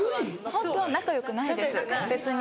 ホントは仲良くないです別に。